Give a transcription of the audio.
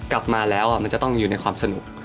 กลับมาแล้วมันจะต้องอยู่ในความสนุก